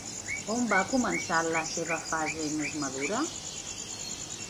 On va començar la seva fase més madura?